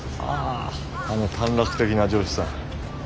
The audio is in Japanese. あぁあの短絡的な上司さん。